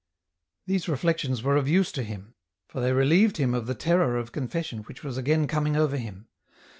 These reflections were of use to him, for they relieved him of the terror of confession which was again coming over him.